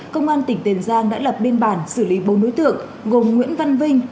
công an tỉnh tiền giang đã lập biên bản xử lý bốn đối tượng gồm nguyễn văn vinh